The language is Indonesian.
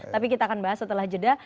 tapi kita akan bahas setelah jeda